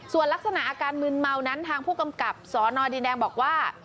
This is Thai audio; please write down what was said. ส่วนลักษณะอาการมืนเมานั้นทางผู้กำกับสนดินแดงบอกว่า